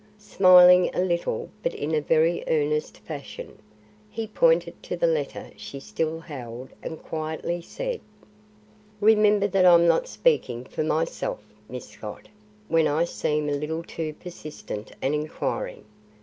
Smiling a little, but in a very earnest fashion, he pointed to the letter she still held and quietly said: "Remember that I'm not speaking for myself, Miss Scott, when I seem a little too persistent and inquiring.